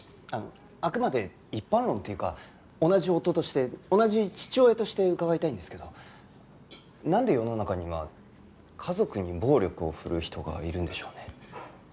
あくまで一般論というか同じ夫として同じ父親として伺いたいんですけどなんで世の中には家族に暴力を振るう人がいるんでしょうね？